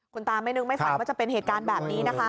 คุณตาไม่นึกไม่ฝันว่าจะเป็นเหตุการณ์แบบนี้นะคะ